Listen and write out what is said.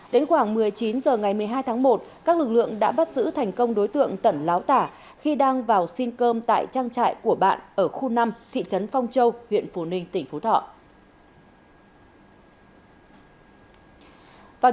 đến khoảng một mươi chín h ngày một mươi hai tháng một các lực lượng đã bắt giữ thành công đối tượng tẩn láo tả khi đang vào xin cơm tại trang trại của bạn ở khu năm thị trấn phong châu huyện phù ninh tỉnh phú thọ